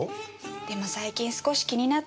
でも最近少し気になって。